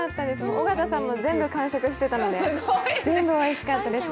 尾形さんも全部完食してたので、全部おいしかったです。